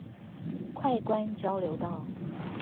快官交流道